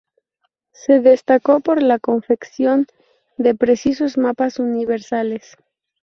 Se destacó por la confección de precisos mapas universales.